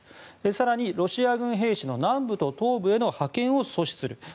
更に、ロシア軍兵士の南部と東部への派遣を阻止する